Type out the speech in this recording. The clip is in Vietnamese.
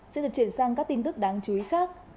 xin được chuyển sang các tin tức đáng chú ý khác